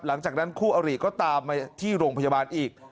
หลังจากนั้นคู่อริก็ตามมาที่โรงพยาบาลอีก